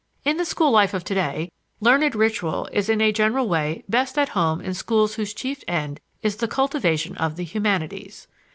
In the school life of today, learned ritual is in a general way best at home in schools whose chief end is the cultivation of the "humanities".